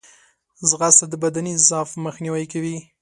ځغاسته د بدني ضعف مخنیوی کوي